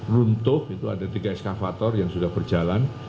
runtuh itu ada tiga eskavator yang sudah berjalan